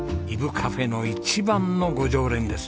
カフェの一番のご常連です。